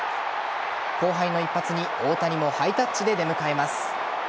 後輩の一発に大谷もハイタッチで出迎えます。